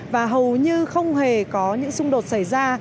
và hầu như không hề có những xung đột xảy ra